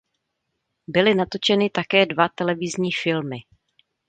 Byly natočeny také dva televizní filmy.